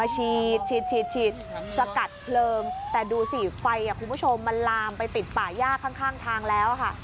ฉีดฉีดสกัดเพลิงแต่ดูสิไฟคุณผู้ชมมันลามไปติดป่าย่าข้างทางแล้วค่ะ